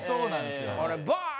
あれバーン！